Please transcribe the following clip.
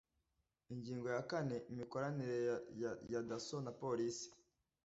ingingo ya kane imikoranire ya dasso na polisi